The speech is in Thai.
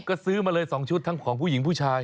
ก็ซื้อมาเลย๒ชุดทั้งของผู้หญิงผู้ชาย